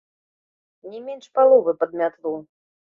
Не менш паловы пад мятлу!